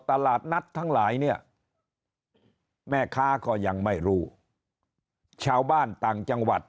ตลาดนัดทั้งหลายเนี่ยแม่ค้าก็ยังไม่รู้ชาวบ้านต่างจังหวัด